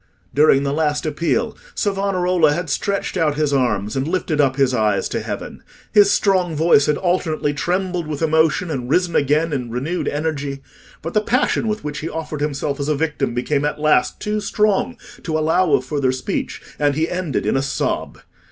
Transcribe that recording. During the last appeal, Savonarola had stretched out his arms and lifted up his eyes to heaven; his strong voice had alternately trembled with emotion and risen again in renewed energy; but the passion with which he offered himself as a victim became at last too strong to allow of further speech, and he ended in a sob.